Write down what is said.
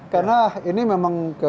karena ini memang